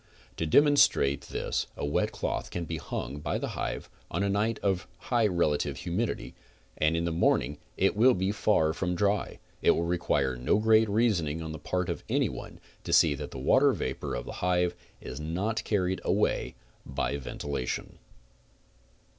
To demonstrate this a wet cloth can be hung by the hive on a night of high relative humidity, and in the morning it will be far from dry. It will require no great reasoning on the part of anyone to see that the water vapor of the hive is not all carried away by ventilation.